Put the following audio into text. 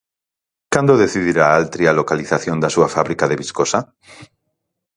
Cando decidirá Altri a localización da súa fábrica de viscosa?